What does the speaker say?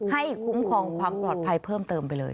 คุ้มครองความปลอดภัยเพิ่มเติมไปเลย